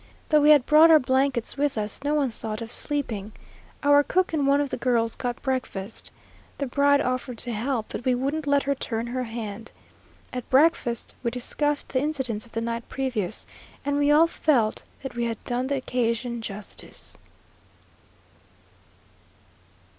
Though we had brought our blankets with us, no one thought of sleeping. Our cook and one of the girls got breakfast. The bride offered to help, but we wouldn't let her turn her hand. At breakfast we discussed the incidents of the night previous, and we all felt that we had done the occasion justice.